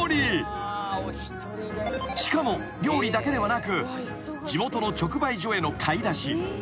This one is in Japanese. ［しかも料理だけではなく地元の直売所への買い出し］